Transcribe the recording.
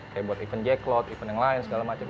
kayak buat event jacklot event yang lain segala macam